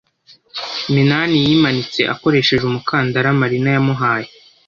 Minani yimanitse akoresheje umukandara Marina yamuhaye.